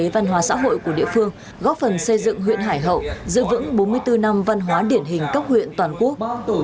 văn hóa xã hội của địa phương góp phần xây dựng huyện hải hậu giữ vững bốn mươi bốn năm văn hóa điển hình cấp huyện toàn quốc